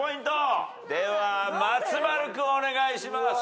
では松丸君お願いします。